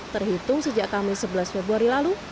terhitung sejak kamis sebelas februari lalu